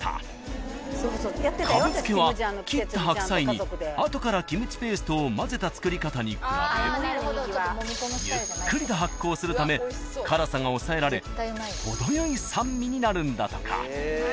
［株漬けは切ったハクサイに後からキムチペーストを混ぜた作り方に比べゆっくりと発酵するため辛さが抑えられ程よい酸味になるんだとか］